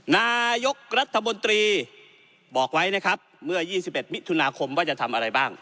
นายกรัฐบนตรีบอกไว้นะครับเมื่อยี่สิบเอ็ดมิถุนาคมว่าจะทำอะไรบ้าง